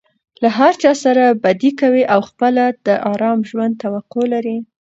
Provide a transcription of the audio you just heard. له هرچا سره بدي کوى او خپله د آرام ژوند توقع لري.